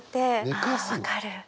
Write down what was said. あ分かる。